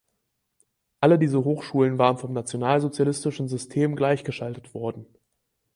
Alle diese Hochschulen waren vom Nationalsozialistischen System gleichgeschaltet worden.